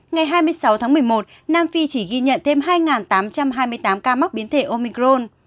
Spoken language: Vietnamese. ngày hai mươi sáu tháng một mươi một nam phi chỉ ghi nhận thêm hai tám trăm hai mươi tám ca mắc biến thể omicron